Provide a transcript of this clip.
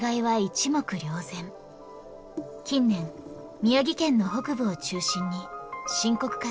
近年宮城県の北部を中心に深刻化しています。